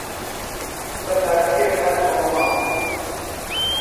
بە تاکسییەک هاتمەوە ماڵ